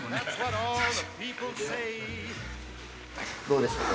どうですか？